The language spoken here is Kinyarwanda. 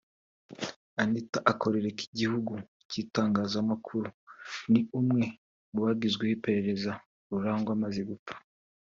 Anita ukorera Ikigo cy’Igihugu cy’Itangazamakuru ni umwe mu bakozweho iperereza Rurangwa amaze gupfa